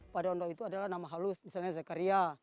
padondok itu adalah nama halus misalnya zakaria